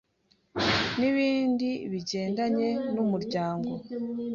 n'ibindi bigendanye n'umuryango